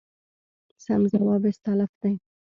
سم ځواب استالف دی.